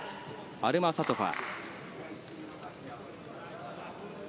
アルマサトファ。